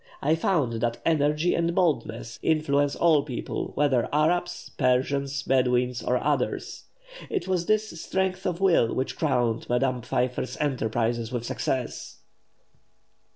I found that energy and boldness influence all people, whether Arabs, Persians, Bedouins, or others." It was this strength of will which crowned Madame Pfeiffer's enterprises with success.